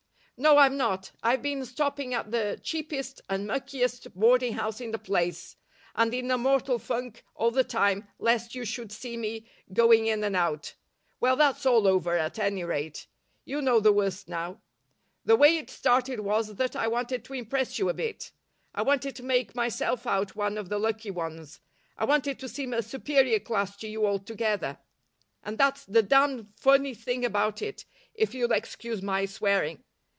"No, I'm not. I've been stopping at the cheapest and muckiest boarding house in the place, and in a mortal funk all the time lest you should see me going in and out. Well, that's all over, at any rate. You know the worst now. The way it started was that I wanted to impress you a bit. I wanted to make myself out one of the lucky ones. I wanted to seem a superior class to you altogether. And that's the damned funny thing about it, if you'll excuse my swearing.